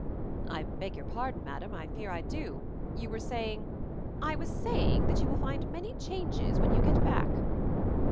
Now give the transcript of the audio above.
"I beg your pardon, madam. I fear I do. You were saying —" "I was saying that you will find many changes when you get back."